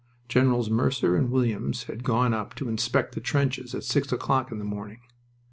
Generals Mercer and Williams had gone up to inspect the trenches at six o'clock in the morning.